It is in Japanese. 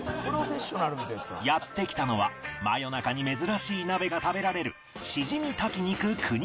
やって来たのは真夜中に珍しい鍋が食べられる